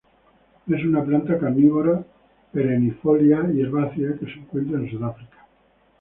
Es una planta carnívora perennifolia y herbácea que se encuentra en Sudáfrica.